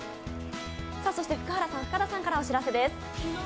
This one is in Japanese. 福原さん、深田さんからお知らせです。